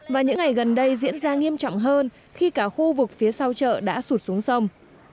và những ngày gần đây diễn ra nghiêm trọng hơn khi cả khu vực phía sau chợ đã sụt xuống sông